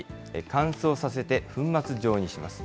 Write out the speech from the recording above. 乾燥させて粉末状にします。